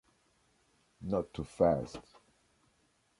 Not too fast.